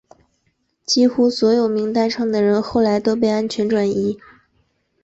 几乎所有名单上的人后来都被安全转移。